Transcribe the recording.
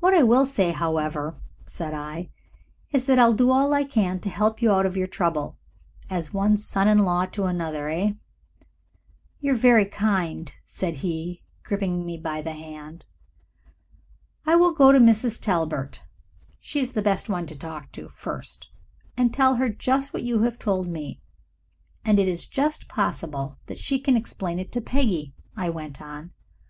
"What I will say, however," said I, "is that I'll do all I can to help you out of your trouble. As one son in law to another, eh?" "You are very kind," said he, gripping me by the hand. "I will go to Mrs. Talbert she is the best one to talk to first, and tell her just what you have told me, and it is just possible that she can explain it to Peggy," I went on.